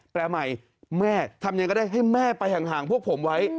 แปลใหม่แม่ทำยังไงก็ได้ให้แม่ไปห่างพวกผมไว้